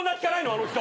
あの人！